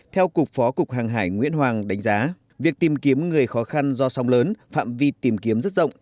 theo cục phó cục hàng hải nguyễn hoàng đánh giá việc tìm kiếm người khó khăn do sóng lớn phạm vi tìm kiếm rất rộng